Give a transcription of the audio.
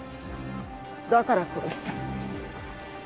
だから殺した。